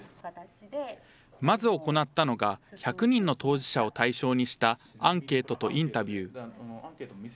まず行ったのが、１００人の当事者を対象にしたアンケートとインタビュー。